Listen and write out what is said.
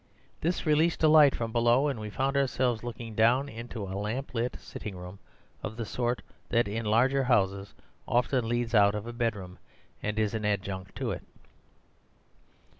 This released a light from below, and we found ourselves looking down into a lamp lit sitting room, of the sort that in large houses often leads out of a bedroom, and is an adjunct to it.